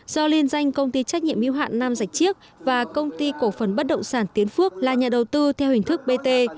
do liên danh công ty trách nhiệm yêu hạn nam giảich chiếc và công ty cổ phần bất động sản tiến phước là nhà đầu tư theo hình thức bt